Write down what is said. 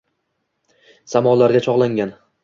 Samolarga chogʼlangan.